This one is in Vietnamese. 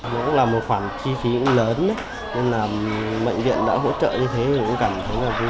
nó cũng là một khoản chi phí lớn nên là bệnh viện đã hỗ trợ như thế cũng cảm thấy vui